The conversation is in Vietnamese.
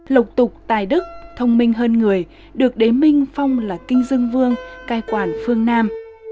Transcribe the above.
lộc tục tài đức thông minh hơn người được đế minh phong là kinh dương vương cai quản phương nam